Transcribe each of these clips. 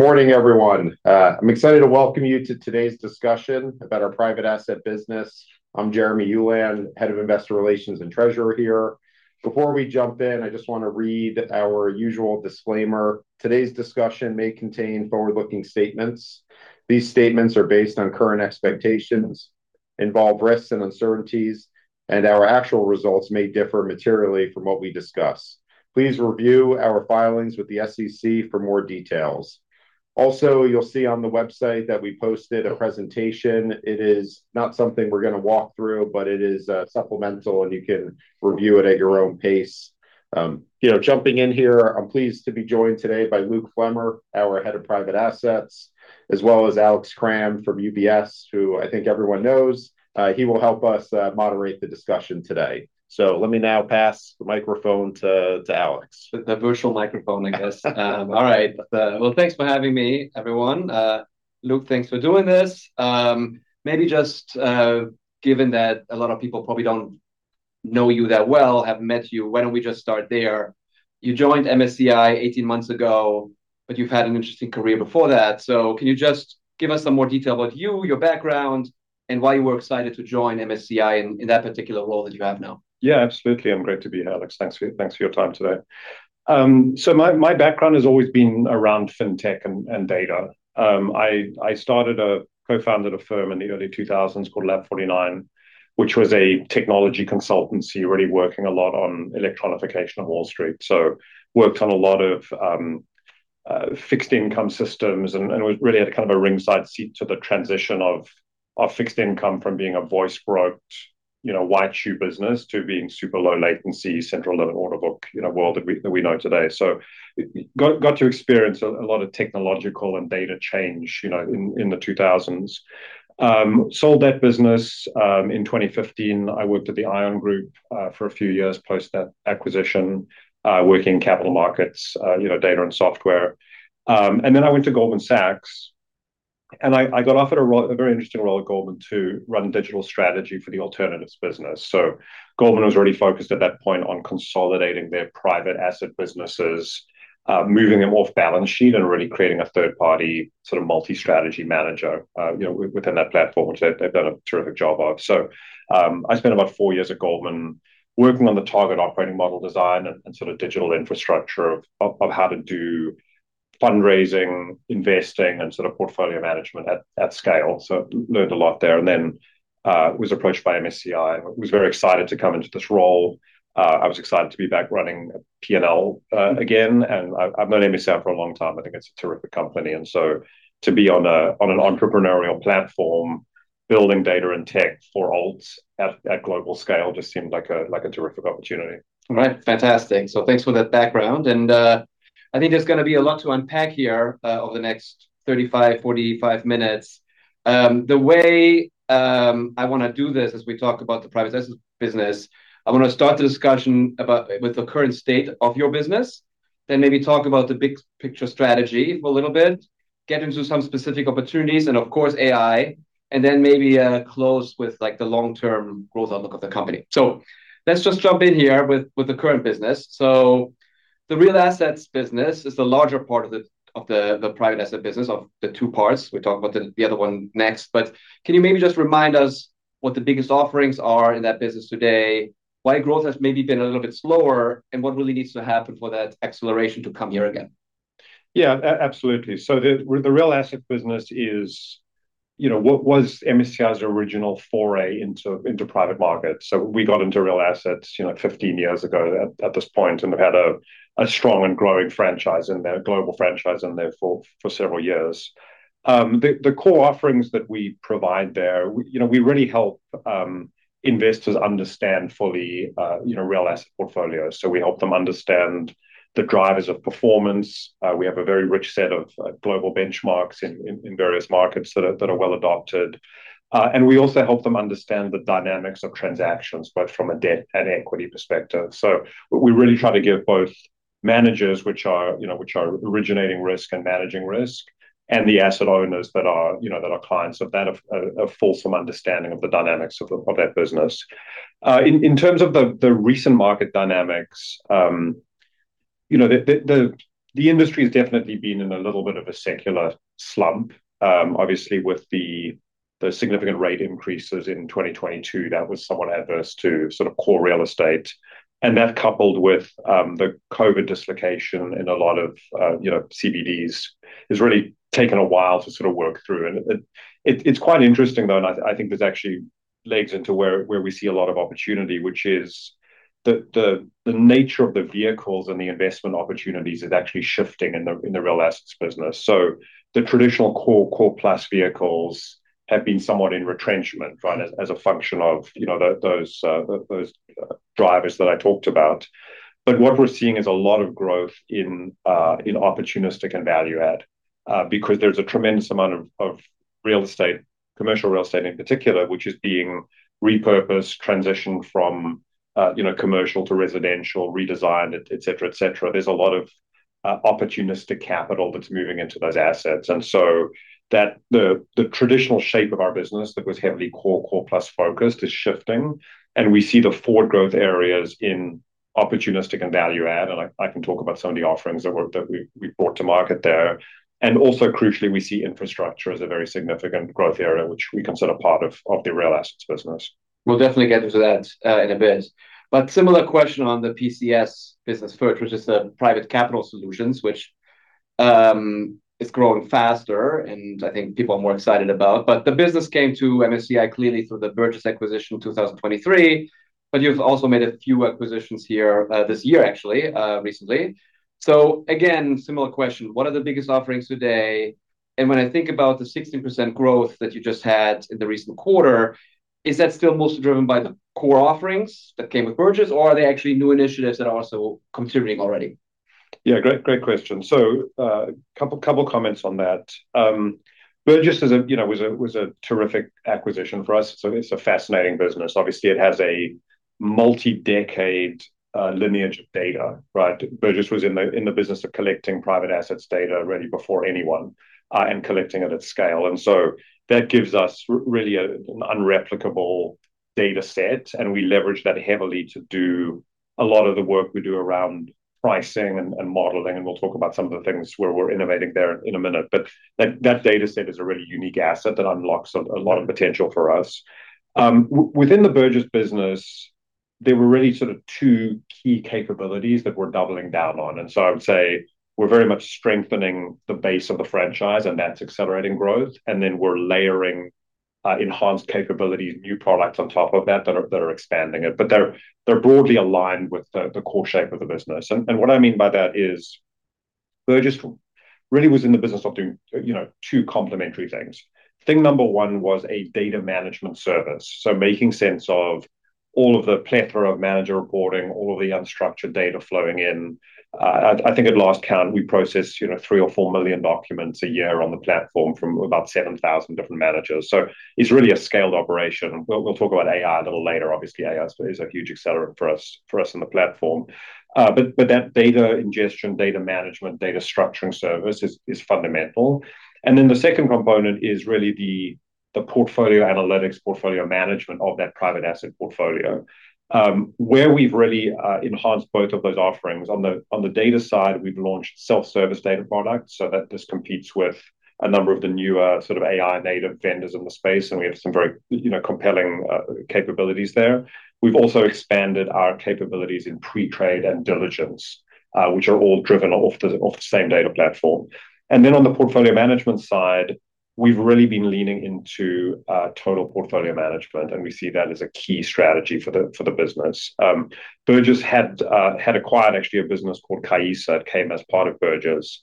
Good morning, everyone. I'm excited to welcome you to today's discussion about our private asset business. I'm Jeremy Ulan, Head of Investor Relations and Treasurer here. Before we jump in, I just want to read our usual disclaimer. Today's discussion may contain forward-looking statements. These statements are based on current expectations, involve risks and uncertainties, and our actual results may differ materially from what we discuss. Please review our filings with the SEC for more details. Also, you'll see on the website that we posted a presentation. It is not something we're going to walk through, but it is supplemental, and you can review it at your own pace. Jumping in here, I'm pleased to be joined today by Luke Flemmer, our Head of Private Assets, as well as Alex Kramm from UBS, who I think everyone knows. He will help us moderate the discussion today. Let me now pass the microphone to Alex. The virtual microphone, I guess. All right. Thanks for having me, everyone. Luke, thanks for doing this. Maybe just given that a lot of people probably don't know you that well, have met you, why don't we just start there? You joined MSCI 18 months ago, but you've had an interesting career before that. Can you just give us some more detail about you, your background, and why you were excited to join MSCI in that particular role that you have now? Yeah, absolutely. I'm great to be here, Alex. Thanks for your time today. My background has always been around fintech and data. I co-founded a firm in the early 2000s called Lab49, which was a technology consultancy, really working a lot on electronification of Wall Street. Worked on a lot of fixed income systems and really had a ringside seat to the transition of fixed income from being a voice-brokered, white shoe business to being super low latency, central order book world that we know today. Got to experience a lot of technological and data change in the 2000s. Sold that business in 2015. I worked at the ION Group, for a few years post that acquisition, working in capital markets, data and software. I went to Goldman Sachs, and I got offered a very interesting role at Goldman to run digital strategy for the alternatives business. Goldman was really focused at that point on consolidating their private asset businesses, moving them off balance sheet, and really creating a third-party, multi-strategy manager within that platform, which they've done a terrific job of. I spent about four years at Goldman working on the target operating model design and digital infrastructure of how to do fundraising, investing, and portfolio management at scale. Learned a lot there. Was approached by MSCI and was very excited to come into this role. I was excited to be back running P&L again. I've known MSCI for a long time. I think it's a terrific company, to be on an entrepreneurial platform, building data and tech for alts at global scale just seemed like a terrific opportunity. All right, fantastic. Thanks for that background. I think there's going to be a lot to unpack here over the next 35, 45 minutes. The way I want to do this, as we talk about the Private Assets business, I want to start the discussion with the current state of your business, then maybe talk about the big picture strategy for a little bit, get into some specific opportunities, and of course, AI, then maybe close with the long-term growth outlook of the company. Let's just jump in here with the current business. The Real Assets business is the larger part of the Private Assets business, of the two parts. We'll talk about the other one next. Can you maybe just remind us what the biggest offerings are in that business today, why growth has maybe been a little bit slower, and what really needs to happen for that acceleration to come here again? The real asset business was MSCI's original foray into private markets. We got into real assets 15 years ago at this point, and we've had a strong and growing franchise in there, global franchise in there, for several years. The core offerings that we provide there, we really help investors understand fully real asset portfolios. We help them understand the drivers of performance. We have a very rich set of global benchmarks in various markets that are well-adopted. We also help them understand the dynamics of transactions, but from a debt and equity perspective. We really try to give both managers, which are originating risk and managing risk, and the asset owners that are clients of that, a fulsome understanding of the dynamics of that business. In terms of the recent market dynamics, the industry has definitely been in a little bit of a secular slump. That coupled with the significant rate increases in 2022, that was somewhat adverse to core real estate. That coupled with the COVID dislocation in a lot of CBDs, has really taken a while to work through. It's quite interesting, though, and I think this actually legs into where we see a lot of opportunity, which is the nature of the vehicles and the investment opportunities is actually shifting in the real assets business. The traditional core plus vehicles have been somewhat in retrenchment as a function of those drivers that I talked about. What we're seeing is a lot of growth in opportunistic and value add, because there's a tremendous amount of real estate, commercial real estate in particular, which is being repurposed, transitioned from commercial to residential, redesigned, et cetera. There's a lot of opportunistic capital that's moving into those assets, the traditional shape of our business that was heavily core plus focused is shifting, we see the forward growth areas in opportunistic and value add, and I can talk about some of the offerings that we've brought to market there. Also crucially, we see infrastructure as a very significant growth area, which we consider part of the real assets business. We'll definitely get into that in a bit. Similar question on the PCS business first, which is the Private Capital Solutions, which is growing faster and I think people are more excited about. The business came to MSCI clearly through the Burgiss acquisition in 2023, but you've also made a few acquisitions here, this year actually, recently. Again, similar question, what are the biggest offerings today? When I think about the 16% growth that you just had in the recent quarter, is that still mostly driven by the core offerings that came with Burgiss, or are they actually new initiatives that are also contributing already? Great question. Couple comments on that. Burgiss was a terrific acquisition for us. It's a fascinating business. Obviously, it has a multi-decade lineage of data, right? Burgiss was in the business of collecting private assets data really before anyone, and collecting it at scale. That gives us really an unreplicable data set, and we leverage that heavily to do a lot of the work we do around pricing and modeling, and we'll talk about some of the things where we're innovating there in a minute. That data set is a really unique asset that unlocks a lot of potential for us. Within the Burgiss business, there were really sort of two key capabilities that we're doubling down on. I would say we're very much strengthening the base of the franchise, and that's accelerating growth. We're layering enhanced capabilities, new products on top of that are expanding it. They're broadly aligned with the core shape of the business. What I mean by that is Burgiss really was in the business of doing two complementary things. Thing number one was a data management service. Making sense of all of the plethora of manager reporting, all of the unstructured data flowing in. I think at last count, we processed 3 or 4 million documents a year on the platform from about 7,000 different managers. It's really a scaled operation. We'll talk about AI a little later. Obviously, AI is a huge accelerant for us in the platform. That data ingestion, data management, data structuring service is fundamental. The second component is really the portfolio analytics, portfolio management of that private asset portfolio. Where we've really enhanced both of those offerings, on the data side, we've launched self-service data products, so that this competes with a number of the newer sort of AI-native vendors in the space, and we have some very compelling capabilities there. We've also expanded our capabilities in pre-trade and diligence, which are all driven off the same data platform. On the portfolio management side, we've really been leaning into total portfolio management, and we see that as a key strategy for the business. Burgiss had acquired actually a business called Caissa. It came as part of Burgiss,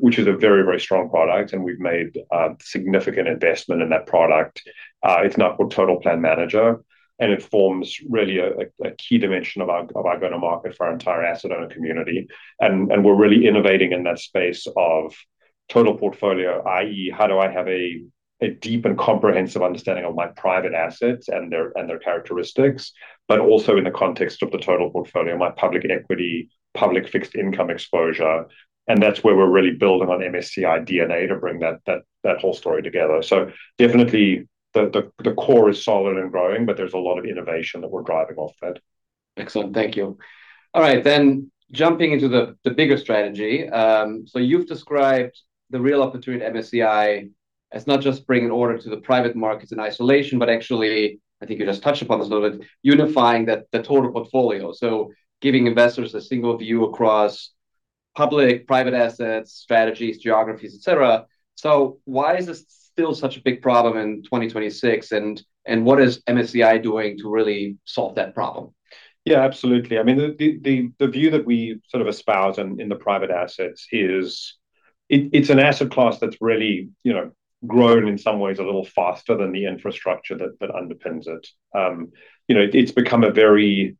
which is a very, very strong product, and we've made a significant investment in that product. It's now called Total Plan Manager, and it forms really a key dimension of our go-to-market for our entire asset owner community. We're really innovating in that space of total portfolio, i.e., how do I have a deep and comprehensive understanding of my private assets and their characteristics, but also in the context of the total portfolio, my public equity, public fixed income exposure. That's where we're really building on MSCI DNA to bring that whole story together. Definitely the core is solid and growing, but there's a lot of innovation that we're driving off it. Excellent. Thank you. All right, jumping into the bigger strategy. You've described the real opportunity at MSCI as not just bringing order to the private markets in isolation, but actually, I think you just touched upon this a little bit, unifying the total portfolio. Giving investors a single view across public, private assets, strategies, geographies, et cetera. Why is this still such a big problem in 2026, and what is MSCI doing to really solve that problem? Yeah, absolutely. I mean, the view that we sort of espouse in the private assets is it's an asset class that's really grown in some ways a little faster than the infrastructure that underpins it. It's become a very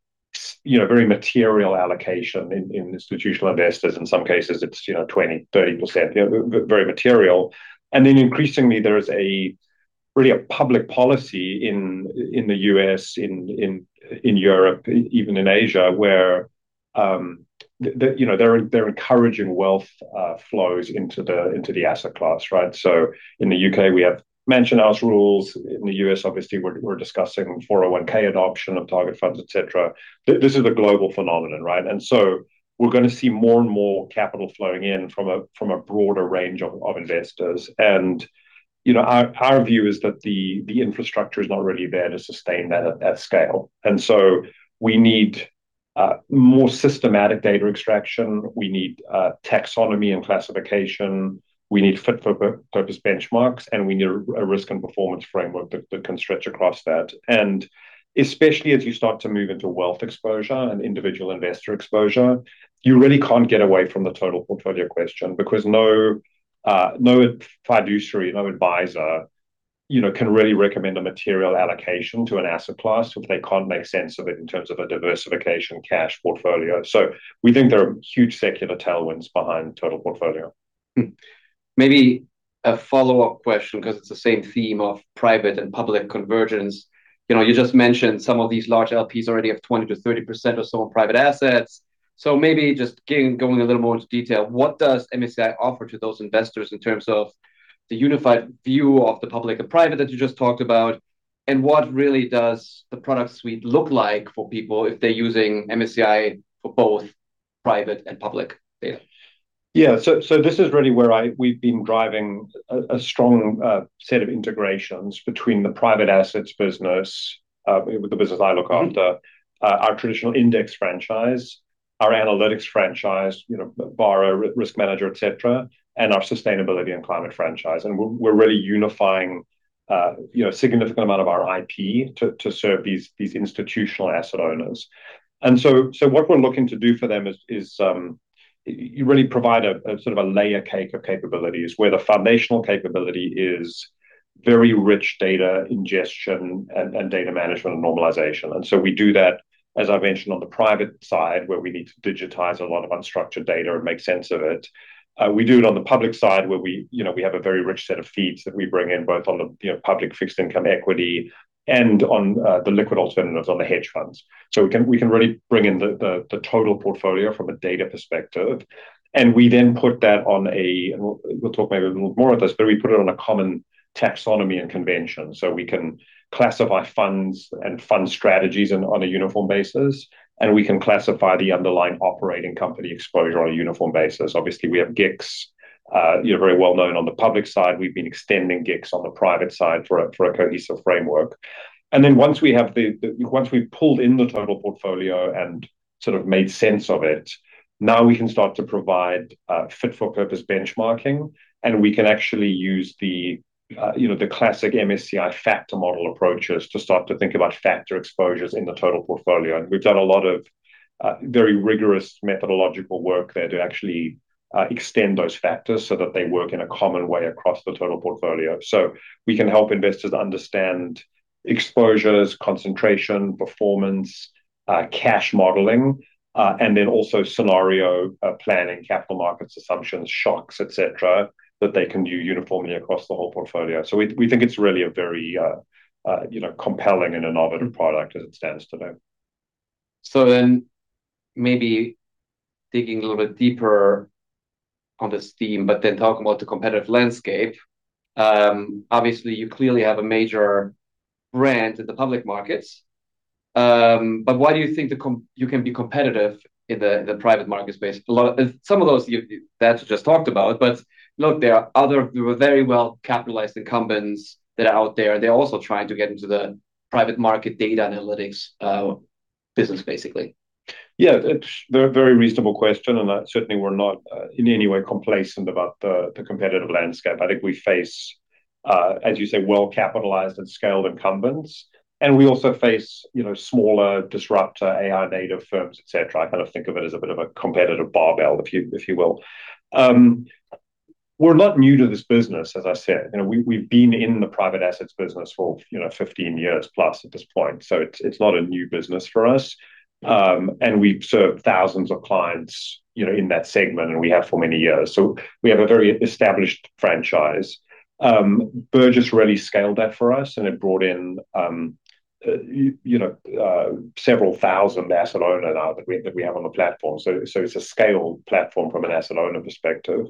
material allocation in institutional investors. In some cases, it's 20%-30%, very material. Increasingly, there is really a public policy in the U.S., in Europe, even in Asia, where they're encouraging wealth flows into the asset class, right? In the U.K., we have Mansion House rules. In the U.S., obviously, we're discussing 401(k) adoption of target funds, et cetera. This is a global phenomenon, right? We're going to see more and more capital flowing in from a broader range of investors. Our view is that the infrastructure is not really there to sustain that at scale. We need more systematic data extraction. We need taxonomy and classification. We need fit-for-purpose benchmarks, and we need a risk and performance framework that can stretch across that. Especially as you start to move into wealth exposure and individual investor exposure, you really can't get away from the total portfolio question because no fiduciary, no advisor can really recommend a material allocation to an asset class if they can't make sense of it in terms of a diversification cash portfolio. We think there are huge secular tailwinds behind total portfolio. Hmm. Maybe a follow-up question because it's the same theme of private and public convergence. You just mentioned some of these large LPs already have 20%-30% or so in private assets. Maybe just going a little more into detail, what does MSCI offer to those investors in terms of the unified view of the public and private that you just talked about? What really does the product suite look like for people if they're using MSCI for both private and public data? This is really where we've been driving a strong set of integrations between the private assets business, the business I look after, our traditional index franchise, our analytics franchise, BarraOne, RiskManager, et cetera, and our sustainability and climate franchise. We're really unifying a significant amount of our IP to serve these institutional asset owners. What we're looking to do for them is really provide a layer cake of capabilities, where the foundational capability is very rich data ingestion and data management and normalization. We do that, as I mentioned, on the private side, where we need to digitize a lot of unstructured data and make sense of it. We do it on the public side, where we have a very rich set of feeds that we bring in, both on the public fixed income equity and on the liquid alternatives on the hedge funds. We can really bring in the total portfolio from a data perspective. We'll talk maybe a little more of this. We put it on a common taxonomy and convention, so we can classify funds and fund strategies on a uniform basis, and we can classify the underlying operating company exposure on a uniform basis. Obviously, we have GICS, very well known on the public side. We've been extending GICS on the private side for a cohesive framework. Once we've pulled in the total portfolio and made sense of it, now we can start to provide fit-for-purpose benchmarking, and we can actually use the classic MSCI factor model approaches to start to think about factor exposures in the total portfolio. We've done a lot of very rigorous methodological work there to actually extend those factors so that they work in a common way across the total portfolio. We can help investors understand exposures, concentration, performance, cash modeling, and then also scenario planning, capital markets assumptions, shocks, et cetera, that they can do uniformly across the whole portfolio. We think it's really a very compelling and innovative product as it stands today. Maybe digging a little bit deeper on this theme, but then talking about the competitive landscape. Obviously, you clearly have a major brand in the public markets. Why do you think you can be competitive in the private market space? Some of those that you just talked about. Look, there are very well-capitalized incumbents that are out there. They're also trying to get into the private market data analytics business, basically. Yeah. They're a very reasonable question. Certainly we're not in any way complacent about the competitive landscape. I think we face, as you say, well-capitalized and scaled incumbents, and we also face smaller disruptor, AI-native firms, et cetera. I think of it as a bit of a competitive barbell, if you will. We're not new to this business, as I said. We've been in the private assets business for 15+ years at this point, so it's not a new business for us. We've served thousands of clients in that segment, and we have for many years. We have a very established franchise. Burgiss really scaled that for us, and it brought in several thousand asset owner now that we have on the platform. It's a scaled platform from an asset owner perspective.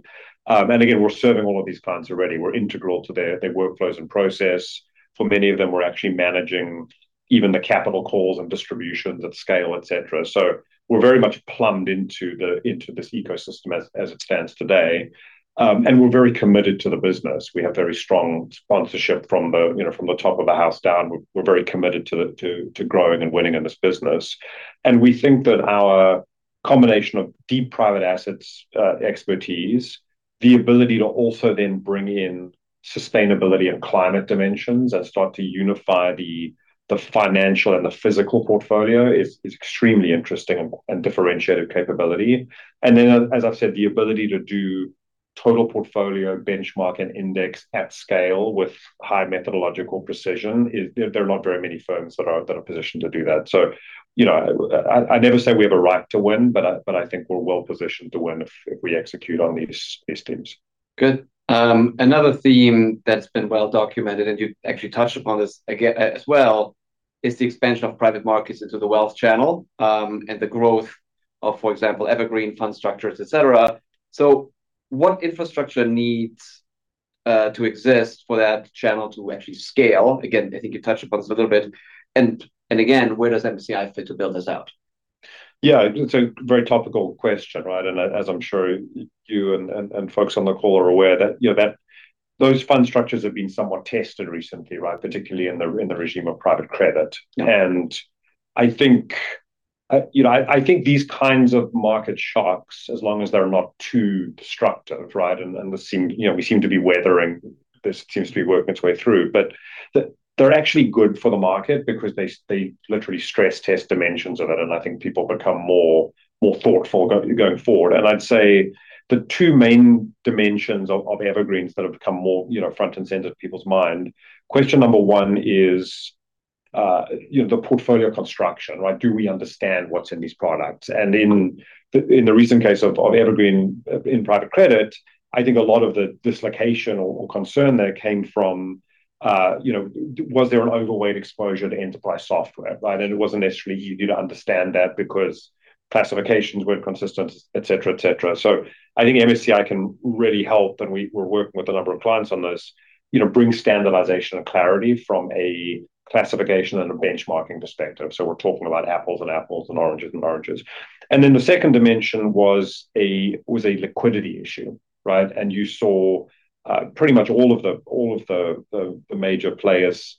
Again, we're serving all of these clients already. We're integral to their workflows and process. For many of them, we're actually managing even the capital calls and distributions at scale, et cetera. We're very much plumbed into this ecosystem as it stands today. We're very committed to the business. We have very strong sponsorship from the top of the house down. We're very committed to growing and winning in this business. We think that our combination of deep private assets expertise, the ability to also then bring in sustainability and climate dimensions and start to unify the financial and the physical portfolio is extremely interesting and differentiated capability. Then, as I've said, the ability to do total portfolio benchmark and index at scale with high methodological precision is. There are not very many firms that are positioned to do that. I never say we have a right to win, but I think we're well positioned to win if we execute on these themes. Good. Another theme that's been well-documented, you actually touched upon this as well, is the expansion of private markets into the wealth channel, and the growth of, for example, evergreen fund structures, et cetera. What infrastructure needs to exist for that channel to actually scale? Again, I think you touched upon this a little bit. Again, where does MSCI fit to build this out? Yeah. It's a very topical question, right? As I'm sure you and folks on the call are aware that those fund structures have been somewhat tested recently, right? Particularly in the regime of private credit. Yeah. I think these kinds of market shocks, as long as they're not too destructive, right, and we seem to be weathering, this seems to be working its way through. They're actually good for the market because they literally stress test dimensions of it, and I think people become more thoughtful going forward. I'd say the two main dimensions of evergreens that have become more front and center to people's mind, question number one is the portfolio construction, right? Do we understand what's in these products? In the recent case of evergreen in private credit, I think a lot of the dislocation or concern there came from, was there an overweight exposure to enterprise software? Right? It wasn't necessarily easy to understand that because classifications weren't consistent, et cetera. I think MSCI can really help, and we're working with a number of clients on this, bring standardization and clarity from a classification and a benchmarking perspective. We're talking about apples and apples and oranges and oranges. The second dimension was a liquidity issue, right? You saw pretty much all of the major players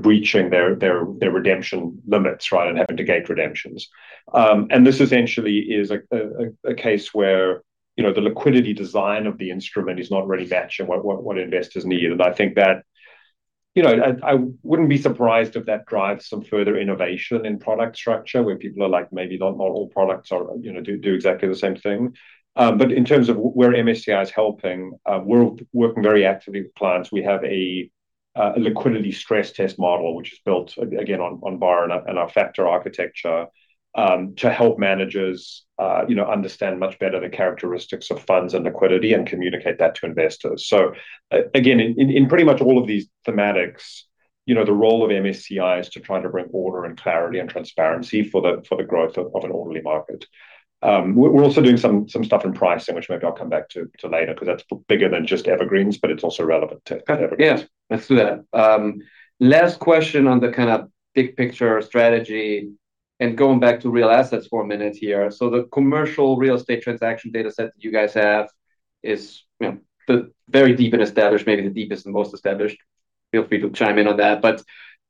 breaching their redemption limits, right, and having to gate redemptions. This essentially is a case where the liquidity design of the instrument is not really matching what investors need. I think that I wouldn't be surprised if that drives some further innovation in product structure, where people are like, "Maybe not all products do exactly the same thing." In terms of where MSCI is helping, we're working very actively with clients. We have a liquidity stress test model, which is built, again, on VAR and our factor architecture, to help managers understand much better the characteristics of funds and liquidity and communicate that to investors. Again, in pretty much all of these thematics, the role of MSCI is to try to bring order and clarity and transparency for the growth of an orderly market. We're also doing some stuff in pricing, which maybe I'll come back to later, because that's bigger than just evergreens, but it's also relevant to kind of evergreens. Yes, let's do that. Last question on the kind of big picture strategy, going back to real assets for a minute here. The commercial real estate transaction data set that you guys have is very deep and established, maybe the deepest and most established. Feel free to chime in on that.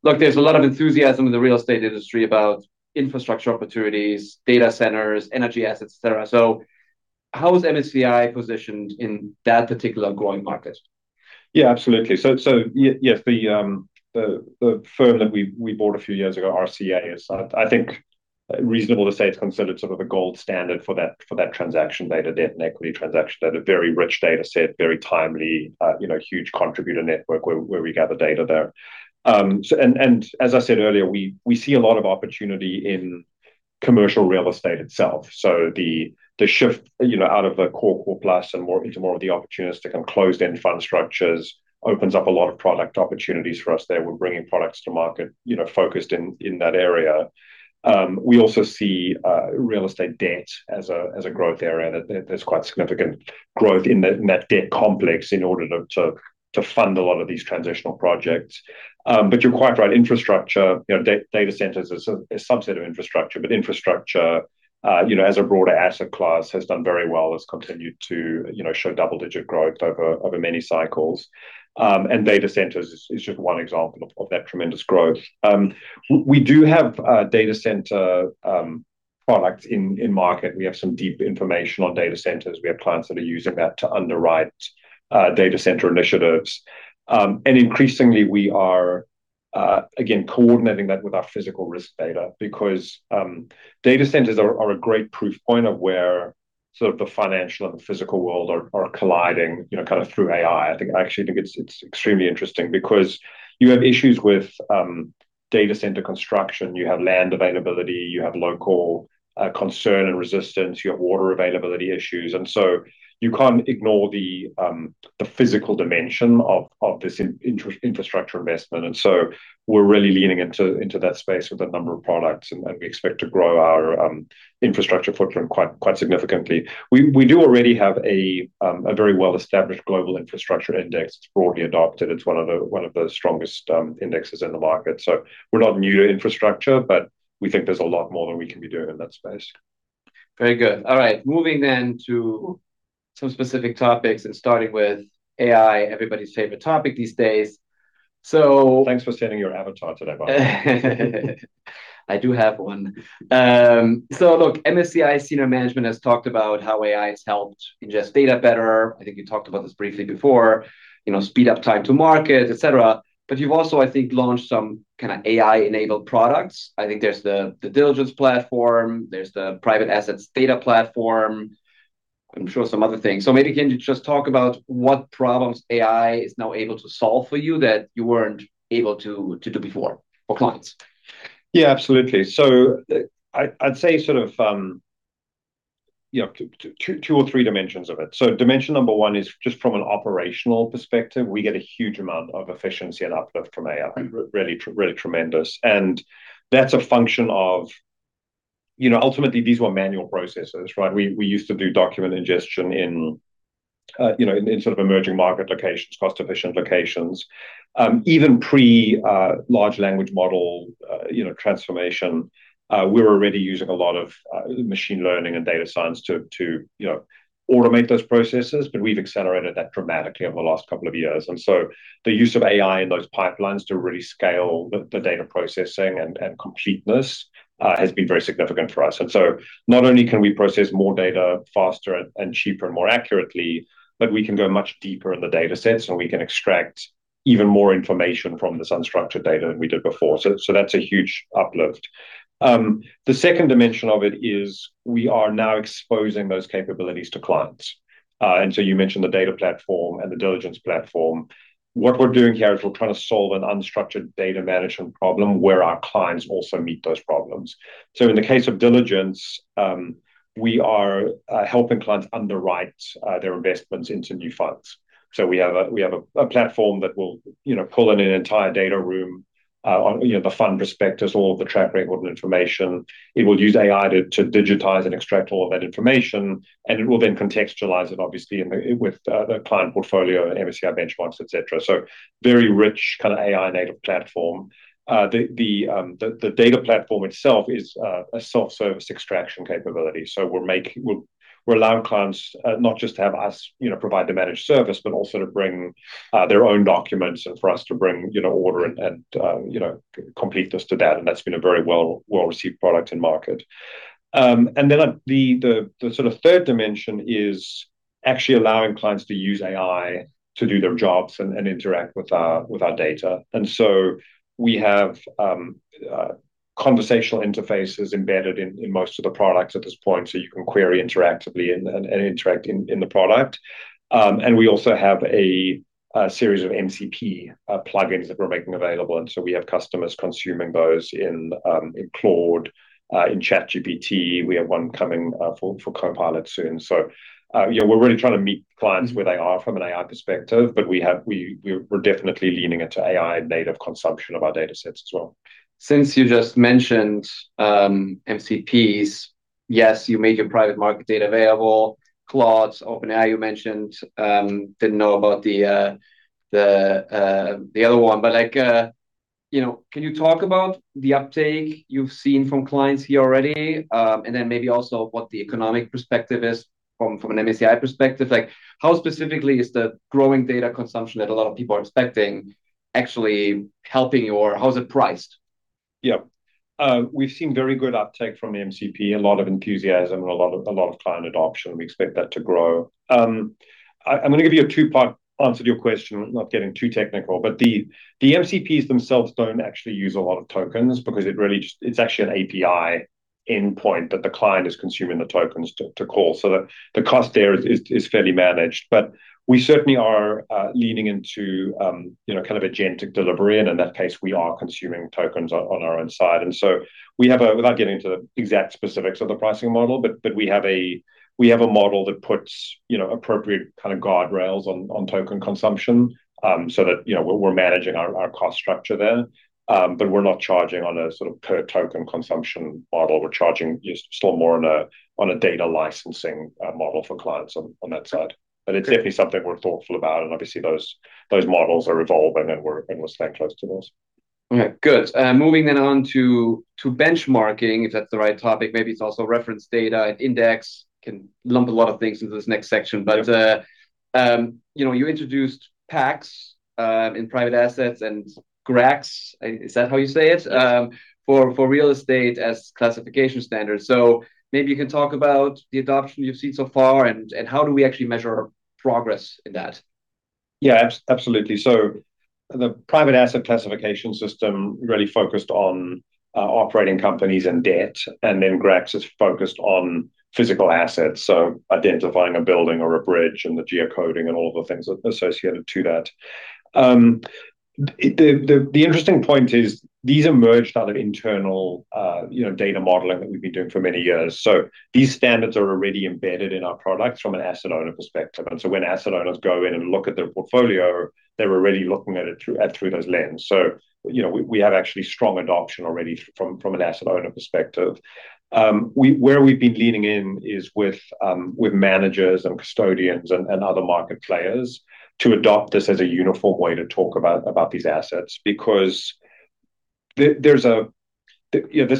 Look, there's a lot of enthusiasm in the real estate industry about infrastructure opportunities, data centers, energy assets, et cetera. How is MSCI positioned in that particular growing market? Yeah, absolutely. Yes, the firm that we bought a few years ago, RCA, is I think reasonable to say it's considered sort of the gold standard for that transaction data, debt and equity transaction data. Very rich data set, very timely, huge contributor network where we gather data there. As I said earlier, we see a lot of opportunity in commercial real estate itself. The shift out of the core plus and into more of the opportunistic and closed-end fund structures opens up a lot of product opportunities for us there. We're bringing products to market focused in that area. We also see real estate debt as a growth area. There's quite significant growth in that debt complex in order to fund a lot of these transitional projects. You're quite right, infrastructure, data centers is a subset of infrastructure, but infrastructure as a broader asset class has done very well, has continued to show double-digit growth over many cycles. Data centers is just one example of that tremendous growth. We do have data center products in market. We have some deep information on data centers. We have clients that are using that to underwrite data center initiatives. Increasingly, we are, again, coordinating that with our physical risk data because data centers are a great proof point of where sort of the financial and physical world are colliding through AI. I actually think it's extremely interesting because you have issues with data center construction, you have land availability, you have local concern and resistance, you have water availability issues. You can't ignore the physical dimension of this infrastructure investment. We're really leaning into that space with a number of products, and we expect to grow our infrastructure footprint quite significantly. We do already have a very well-established global infrastructure index. It's broadly adopted. It's one of the strongest indexes in the market. We're not new to infrastructure, but we think there's a lot more that we can be doing in that space. Very good. All right. Moving to some specific topics and starting with AI, everybody's favorite topic these days. Thanks for setting your avatar today, by the way. I do have one. Look, MSCI senior management has talked about how AI has helped ingest data better. I think you talked about this briefly before, speed up time to market, et cetera. You've also, I think, launched some kind of AI-enabled products. I think there's the diligence platform, there's the private assets data platform, I'm sure some other things. Maybe can you just talk about what problems AI is now able to solve for you that you weren't able to do before for clients? Yeah, absolutely. I'd say sort of two or three dimensions of it. Dimension number one is just from an operational perspective, we get a huge amount of efficiency and uplift from AI. Really tremendous. That's a function of, ultimately, these were manual processes, right? We used to do document ingestion in sort of emerging market locations, cost-efficient locations. Even pre-large language model transformation, we were already using a lot of machine learning and data science to automate those processes, but we've accelerated that dramatically over the last couple of years. The use of AI in those pipelines to really scale the data processing and completeness has been very significant for us. Not only can we process more data faster and cheaper and more accurately, but we can go much deeper in the data sets, and we can extract even more information from this unstructured data than we did before. That's a huge uplift. The second dimension of it is we are now exposing those capabilities to clients. You mentioned the data platform and the diligence platform. What we're doing here is we're trying to solve an unstructured data management problem where our clients also meet those problems. In the case of diligence, we are helping clients underwrite their investments into new funds. We have a platform that will pull in an entire data room on the fund prospectus, all of the track record and information. It will use AI to digitize and extract all of that information, and it will then contextualize it obviously with the client portfolio and MSCI benchmarks, et cetera. Very rich AI native platform. The data platform itself is a self-service extraction capability. We're allowing clients not just to have us provide the managed service, but also to bring their own documents and for us to bring order and completeness to that, and that's been a very well-received product in market. The third dimension is actually allowing clients to use AI to do their jobs and interact with our data. We have conversational interfaces embedded in most of the products at this point, so you can query interactively and interact in the product. We also have a series of MCP plugins that we're making available, we have customers consuming those in Claude, in ChatGPT. We have one coming for Copilot soon. We're really trying to meet clients where they are from an AI perspective, but we're definitely leaning into AI-native consumption of our datasets as well. Since you just mentioned MCPs, yes, you made your private market data available. Claude's OpenAI, you mentioned. Didn't know about the other one, but can you talk about the uptake you've seen from clients here already? Maybe also what the economic perspective is from an MSCI perspective. How specifically is the growing data consumption that a lot of people are expecting actually helping you, or how is it priced? We've seen very good uptake from MCP, a lot of enthusiasm, and a lot of client adoption. We expect that to grow. I'm going to give you a two-part answer to your question, not getting too technical, the MCPs themselves don't actually use a lot of tokens because it's actually an API endpoint that the client is consuming the tokens to call. The cost there is fairly managed. We certainly are leaning into a agentic delivery, and in that case, we are consuming tokens on our own side. Without getting into the exact specifics of the pricing model, we have a model that puts appropriate guardrails on token consumption, so that we're managing our cost structure there. We're not charging on a per token consumption model. We're charging just still more on a data licensing model for clients on that side. It's definitely something we're thoughtful about, and obviously those models are evolving, and we're staying close to those. Good. Moving on to benchmarking, if that's the right topic. Maybe it's also reference data and index can lump a lot of things into this next section. You introduced PACS in private assets and GRACS, is that how you say it? Yes. For real estate as classification standards. Maybe you can talk about the adoption you've seen so far and how do we actually measure progress in that? Absolutely. The Private Asset Classification System really focused on operating companies and debt, and then GRACS is focused on physical assets, so identifying a building or a bridge and the geocoding and all of the things associated to that. The interesting point is these emerged out of internal data modeling that we've been doing for many years. These standards are already embedded in our products from an asset owner perspective, and so when asset owners go in and look at their portfolio, they're already looking at it through those lenses. We have actually strong adoption already from an asset owner perspective. Where we've been leaning in is with managers and custodians and other market players to adopt this as a uniform way to talk about these assets. This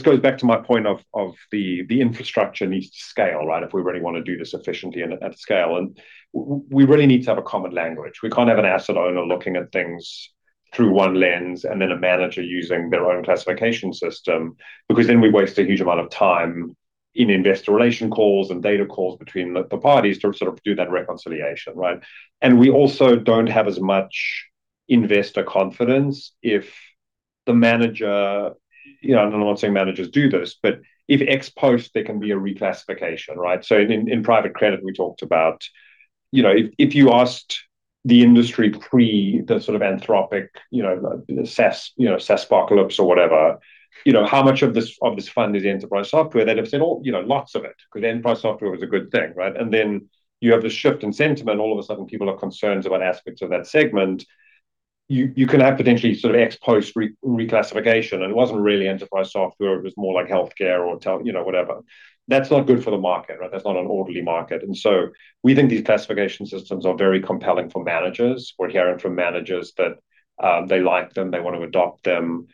goes back to my point of the infrastructure needs to scale, if we really want to do this efficiently and at scale, and we really need to have a common language. We can't have an asset owner looking at things through one lens and then a manager using their own classification system, because then we waste a huge amount of time in investor relation calls and data calls between the parties to do that reconciliation, right? We also don't have as much investor confidence if the manager, and I'm not saying managers do this, but if ex post there can be a reclassification, right? In private credit, we talked about if you asked the industry pre the Anthropic, the SaaS-pocalypse or whatever, how much of this fund is enterprise software? They'd have said, "Oh, lots of it," because enterprise software was a good thing, right? You have this shift in sentiment. All of a sudden, people are concerned about aspects of that segment. You can have potentially ex post reclassification, and it wasn't really enterprise software, it was more like healthcare or whatever. That's not good for the market, right? That's not an orderly market. We think these classification systems are very compelling for managers. We're hearing from managers that they like them. They want to adopt them.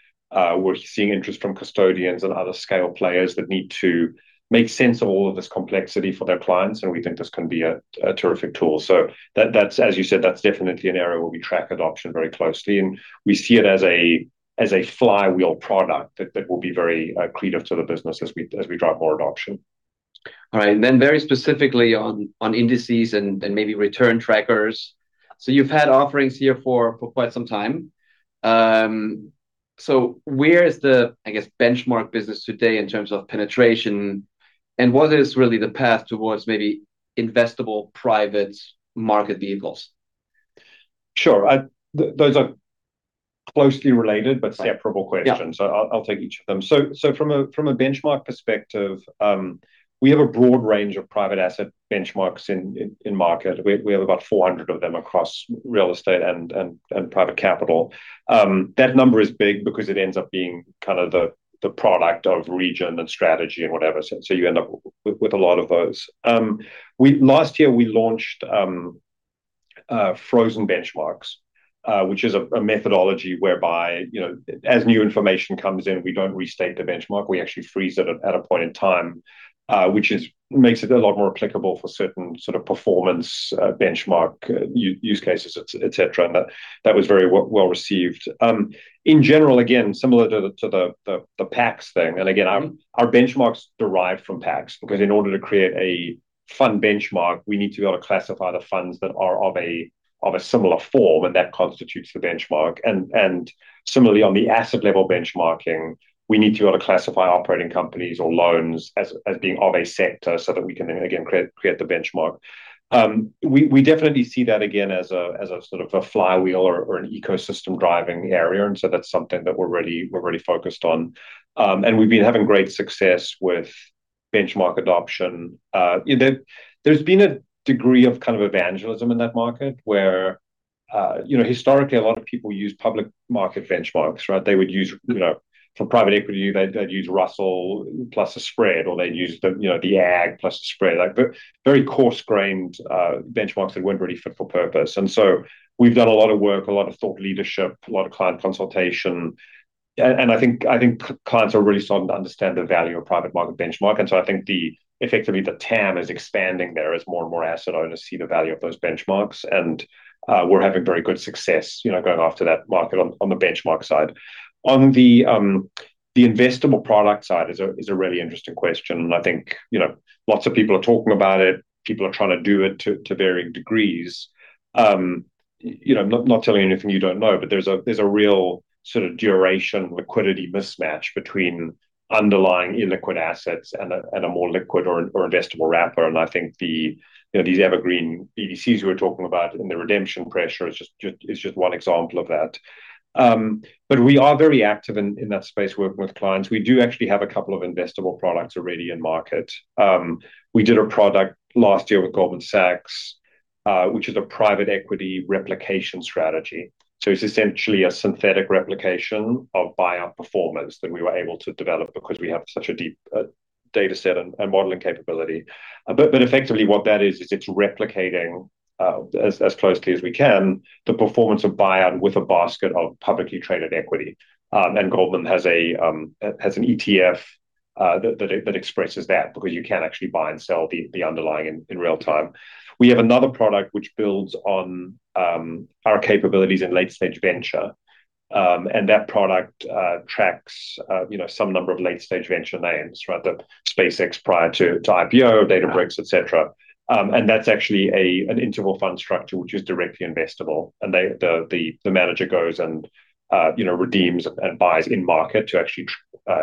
We're seeing interest from custodians and other scale players that need to make sense of all of this complexity for their clients, and we think this can be a terrific tool. As you said, that's definitely an area where we track adoption very closely, and we see it as a flywheel product that will be very accretive to the business as we drive more adoption. Very specifically on indices and maybe return trackers. You've had offerings here for quite some time. Where is the, I guess, benchmark business today in terms of penetration, and what is really the path towards maybe investable private market vehicles? Sure. Those are closely related but separable questions. Yeah I'll take each of them. From a benchmark perspective, we have a broad range of private asset benchmarks in market. We have about 400 of them across real estate and private capital. That number is big because it ends up being kind of the product of region and strategy and whatever, so you end up with a lot of those. Last year, we launched frozen indexes, which is a methodology whereby as new information comes in, we don't restate the benchmark. We actually freeze it at a point in time, which makes it a lot more applicable for certain sort of performance benchmark use cases, et cetera. That was very well-received. In general, again, similar to the PACS thing, and again, our benchmark's derived from PACS because in order to create a fund benchmark, we need to be able to classify the funds that are of a similar form, and that constitutes the benchmark. Similarly, on the asset-level benchmarking, we need to be able to classify operating companies or loans as being of a sector so that we can again create the benchmark. We definitely see that again as a sort of a flywheel or an ecosystem-driving area, and so that's something that we're really focused on. We've been having great success with benchmark adoption. There's been a degree of kind of evangelism in that market where historically, a lot of people use public market benchmarks, right? They would use, for private equity, they'd use Russell plus a spread, or they'd use the Agg plus a spread, like very coarse-grained benchmarks that weren't really fit for purpose. We've done a lot of work, a lot of thought leadership, a lot of client consultation, and I think clients are really starting to understand the value of private market benchmark. I think effectively, the TAM is expanding there as more and more asset owners see the value of those benchmarks, and we're having very good success going after that market on the benchmark side. On the investable product side is a really interesting question, and I think lots of people are talking about it. People are trying to do it to varying degrees. I'm not telling you anything you don't know, but there's a real sort of duration liquidity mismatch between underlying illiquid assets and a more liquid or investable wrapper, and I think these evergreen BDCs we're talking about and the redemption pressure is just one example of that. We are very active in that space working with clients. We do actually have a couple of investable products already in market. We did a product last year with Goldman Sachs, which is a private equity replication strategy. It's essentially a synthetic replication of buyout performance that we were able to develop because we have such a deep data set and modeling capability. Effectively, what that is, it's replicating, as closely as we can, the performance of buyout with a basket of publicly traded equity. Goldman has an ETF that expresses that because you can actually buy and sell the underlying in real-time. We have another product which builds on our capabilities in late-stage venture, and that product tracks some number of late-stage venture names, right? The SpaceX prior to IPO, Databricks, et cetera. That's actually an interval fund structure, which is directly investable, and the manager goes and redeems and buys in-market to actually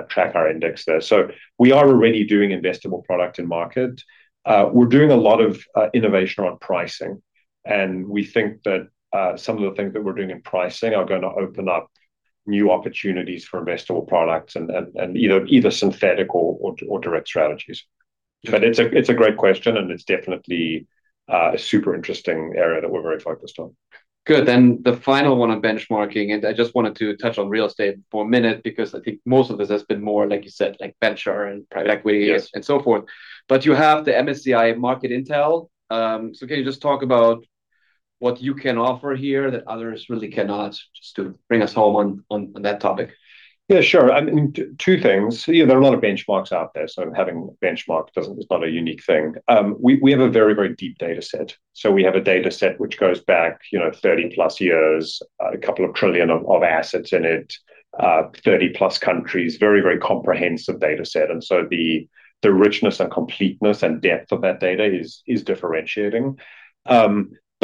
track our index there. We are already doing investable product in market. We're doing a lot of innovation around pricing, and we think that some of the things that we're doing in pricing are going to open up new opportunities for investable products and either synthetic or direct strategies. It's a great question, and it's definitely a super interesting area that we're very focused on. Good. The final one on benchmarking, I just wanted to touch on real estate for a minute because I think most of this has been more, like you said, like venture and private equity- Yes and so forth. You have the MSCI Global Intel. Can you just talk about what you can offer here that others really cannot, just to bring us home on that topic? Yeah, sure. Two things. There are a lot of benchmarks out there, so having a benchmark is not a unique thing. We have a very, very deep data set. We have a data set which goes back 30+ years, a couple of trillion of assets in it, 30+ countries, very, very comprehensive data set. The richness and completeness and depth of that data is differentiating.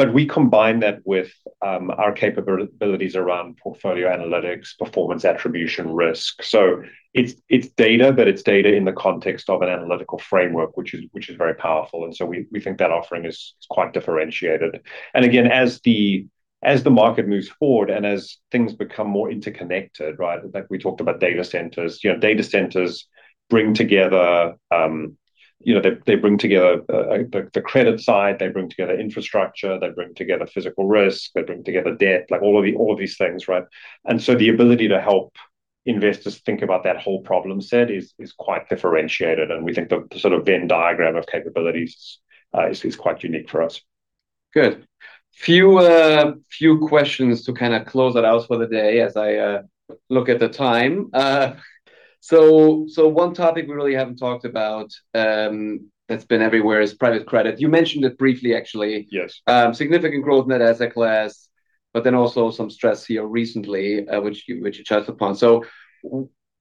We combine that with our capabilities around portfolio analytics, performance attribution risk. It's data, but it's data in the context of an analytical framework, which is very powerful, we think that offering is quite differentiated. Again, as the market moves forward and as things become more interconnected, right? Like we talked about data centers. Data centers, they bring together the credit side, they bring together infrastructure, they bring together physical risk, they bring together debt, all of these things, right? The ability to help investors think about that whole problem set is quite differentiated, and we think the sort of Venn diagram of capabilities is quite unique for us. Good. Few questions to kind of close that out for the day as I look at the time. One topic we really haven't talked about that's been everywhere is private credit. You mentioned it briefly, actually. Yes. Significant growth in that asset class also some stress here recently, which you touched upon.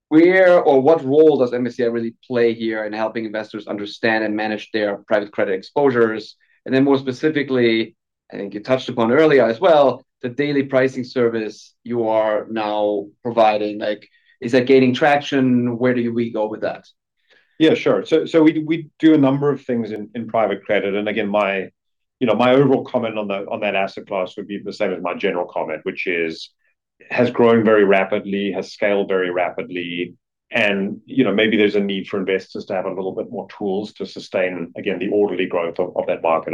Where or what role does MSCI really play here in helping investors understand and manage their private credit exposures? More specifically, I think you touched upon earlier as well, the daily pricing service you are now providing, is that gaining traction? Where do we go with that? Yeah, sure. We do a number of things in private credit. Again, my overall comment on that asset class would be the same as my general comment, which is, has grown very rapidly, has scaled very rapidly, maybe there's a need for investors to have a little bit more tools to sustain, again, the orderly growth of that market.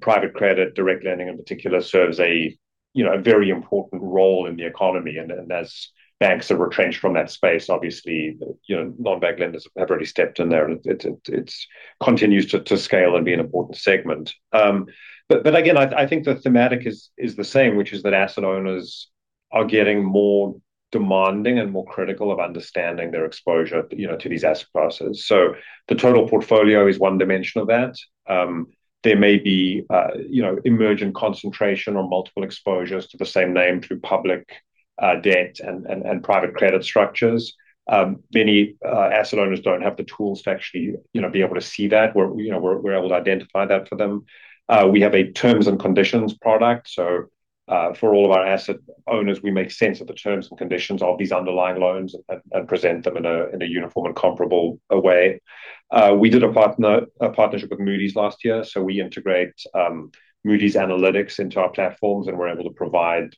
Private credit, direct lending in particular, serves a very important role in the economy. As banks have retrenched from that space, non-bank lenders have really stepped in there, and it continues to scale and be an important segment. Again, I think the thematic is the same, which is that asset owners are getting more demanding and more critical of understanding their exposure to these asset classes. The total portfolio is one dimension of that. There may be emergent concentration or multiple exposures to the same name through public debt and private credit structures. Many asset owners don't have the tools to actually be able to see that, where we're able to identify that for them. We have a terms and conditions product. For all of our asset owners, we make sense of the terms and conditions of these underlying loans and present them in a uniform and comparable way. We did a partnership with Moody's last year, we integrate Moody's analytics into our platforms, and we're able to provide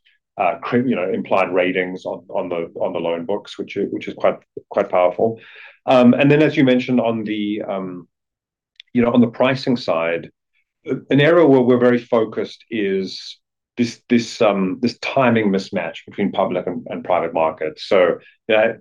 implied ratings on the loan books, which is quite powerful. Then, as you mentioned on the pricing side, an area where we're very focused is this timing mismatch between public and private markets.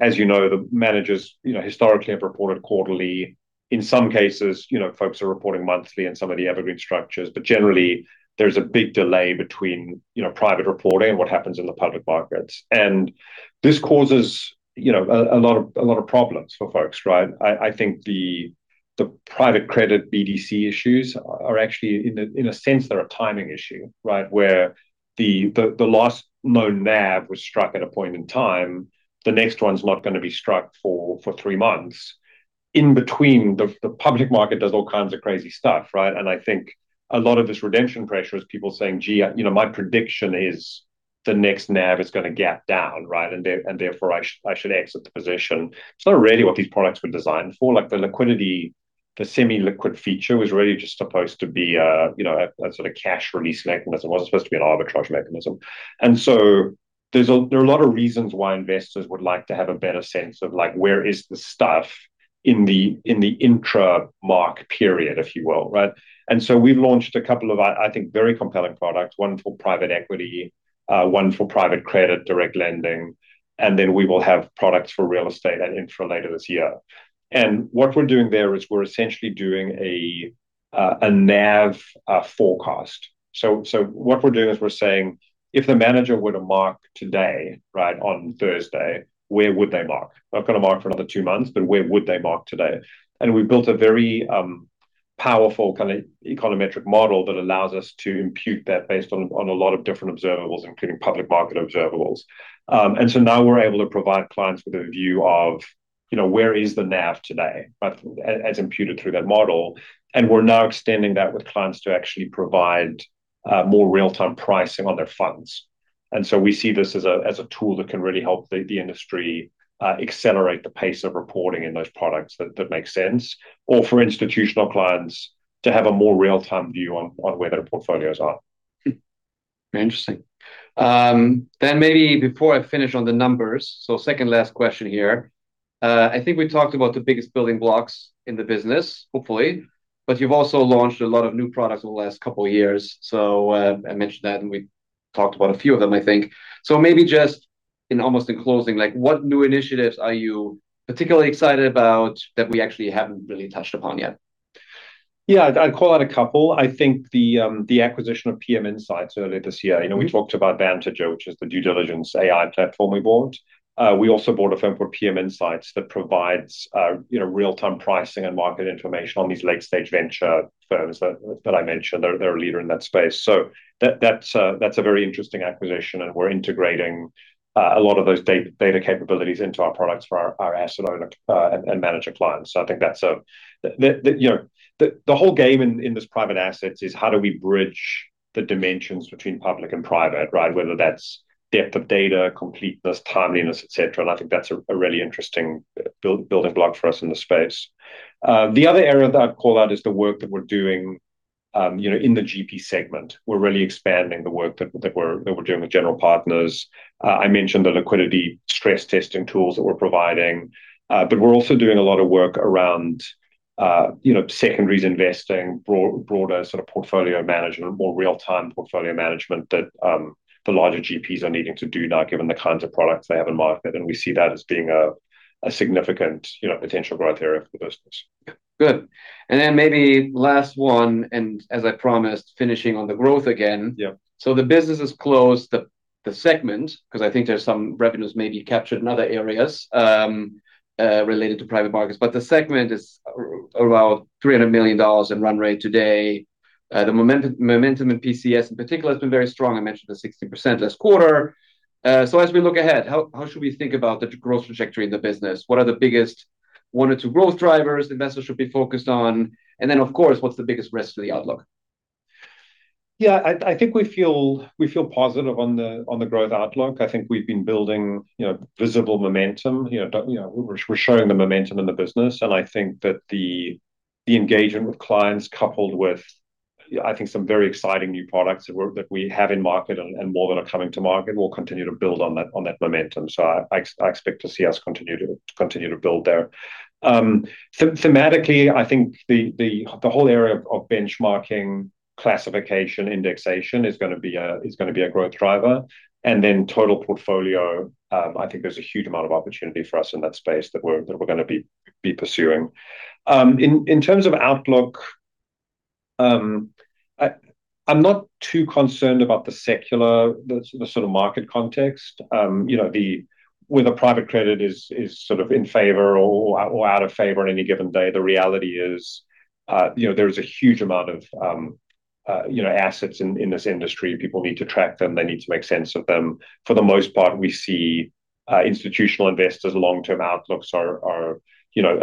As you know, the managers historically have reported quarterly. In some cases, folks are reporting monthly in some of the evergreen structures. Generally, there's a big delay between private reporting and what happens in the public markets. This causes a lot of problems for folks, right? I think the private credit BDC issues are actually, in a sense, they're a timing issue, right? Where the last known NAV was struck at a point in time, the next one's not going to be struck for three months. In between, the public market does all kinds of crazy stuff, right? I think a lot of this redemption pressure is people saying, "Gee, my prediction is the next NAV is going to gap down, right? Therefore, I should exit the position." It's not really what these products were designed for. The liquidity, the semi-liquid feature was really just supposed to be a sort of cash release mechanism. It wasn't supposed to be an arbitrage mechanism. There are a lot of reasons why investors would like to have a better sense of where is the stuff in the intra-mark period, if you will, right? We've launched a couple of, I think, very compelling products, one for private equity, one for private credit, direct lending, then we will have products for real estate and infra later this year. What we're doing there is we're essentially doing a NAV forecast. What we're doing is we're saying, if the manager were to mark today right, on Thursday, where would they mark? Not going to mark for another two months, but where would they mark today? We've built a very powerful kind of econometric model that allows us to impute that based on a lot of different observables, including public market observables. Now we're able to provide clients with a view of where is the NAV today, as imputed through that model. We're now extending that with clients to actually provide more real-time pricing on their funds. We see this as a tool that can really help the industry accelerate the pace of reporting in those products that makes sense, or for institutional clients to have a more real-time view on where their portfolios are. Interesting. Maybe before I finish on the numbers, second last question here. I think we talked about the biggest building blocks in the business, hopefully. You've also launched a lot of new products over the last couple of years. I mentioned that, and we talked about a few of them, I think. Maybe just in almost in closing, what new initiatives are you particularly excited about that we actually haven't really touched upon yet? I'd call out a couple. I think the acquisition of PM Insights earlier this year. We talked about Vantager, which is the due diligence AI platform we bought. We also bought a firm called PM Insights that provides real-time pricing and market information on these late-stage venture firms that I mentioned. They're a leader in that space. That's a very interesting acquisition. We're integrating a lot of those data capabilities into our products for our asset owner and manager clients. I think the whole game in these private assets is how do we bridge the dimensions between public and private, right? Whether that's depth of data, completeness, timeliness, et cetera. I think that's a really interesting building block for us in the space. The other area that I'd call out is the work that we're doing in the GP segment. We're really expanding the work that we're doing with general partners. I mentioned the liquidity stress testing tools that we're providing. We're also doing a lot of work around secondaries investing, broader sort of portfolio management, more real-time portfolio management that the larger GPs are needing to do now, given the kinds of products they have in market. We see that as being a significant potential growth area for the business. Good. Maybe last one, as I promised, finishing on the growth again. Yeah. The business is closed, the segment, because I think there's some revenues may be captured in other areas related to private markets, but the segment is around $300 million in run rate today. The momentum in PCS in particular has been very strong. I mentioned the 16% last quarter. As we look ahead, how should we think about the growth trajectory in the business? What are the biggest one or two growth drivers investors should be focused on? Of course, what's the biggest risk to the outlook? I think we feel positive on the growth outlook. I think we've been building visible momentum. We're showing the momentum in the business, and I think that the engagement with clients, coupled with some very exciting new products that we have in market and more that are coming to market, we'll continue to build on that momentum. I expect to see us continue to build there. Thematically, I think the whole area of benchmarking, classification, indexation is going to be a growth driver, total portfolio, I think there's a huge amount of opportunity for us in that space that we're going to be pursuing. In terms of outlook, I'm not too concerned about the secular, the sort of market context. Whether private credit is sort of in favor or out of favor on any given day, the reality is there is a huge amount of assets in this industry. People need to track them. They need to make sense of them. For the most part, we see institutional investors' long-term outlooks are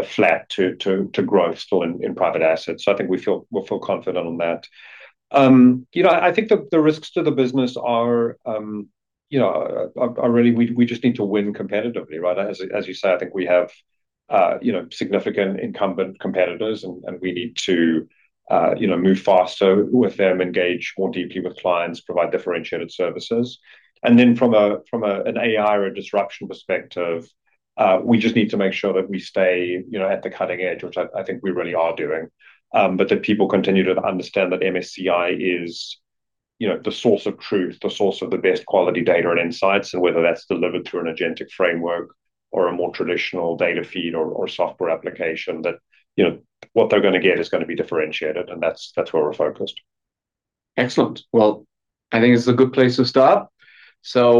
flat to growth still in private assets. I think we'll feel confident on that. I think that the risks to the business are really we just need to win competitively, right? As you say, I think we have significant incumbent competitors, we need to move faster with them, engage more deeply with clients, provide differentiated services. From an AI or a disruption perspective, we just need to make sure that we stay at the cutting edge, which I think we really are doing, but that people continue to understand that MSCI is the source of truth, the source of the best quality data and insights, and whether that's delivered through an agentic framework or a more traditional data feed or software application, that what they're going to get is going to be differentiated, and that's where we're focused. Excellent. I think it's a good place to stop.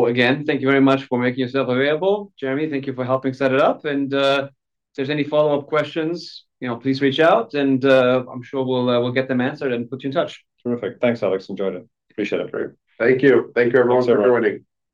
Again, thank you very much for making yourself available. Jeremy, thank you for helping set it up, and if there's any follow-up questions, please reach out, and I'm sure we'll get them answered and put you in touch. Terrific. Thanks, Alex. Enjoyed it. Appreciate it. Great. Thank you. Thank you, everyone, for joining.